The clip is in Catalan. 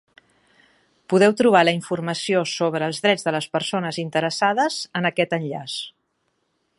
Podeu trobar la informació sobre els drets de les persones interessades en aquest enllaç.